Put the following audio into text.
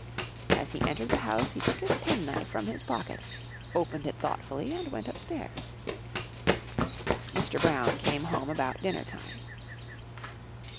As he entered the house he took his penknife from his pocket, opened it thoughtfully, and went upstairs. Mr. Brown came home about dinner time.